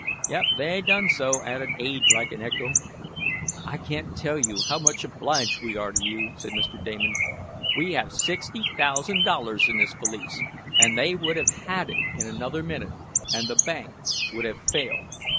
"Yep, they done so," added Ade, like an echo. "I can't tell you how much obliged we are to you," said Mr. Damon. "We have sixty thousand dollars in this valise, and they would have had it in another minute, and the bank would have failed."